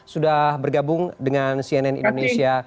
sudah bergabung dengan cnn indonesia